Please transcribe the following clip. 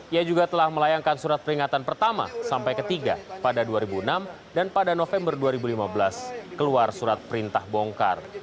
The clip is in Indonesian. ia juga telah melayangkan surat peringatan pertama sampai ketiga pada dua ribu enam dan pada november dua ribu lima belas keluar surat perintah bongkar